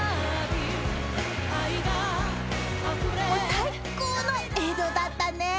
最高の映像だったね。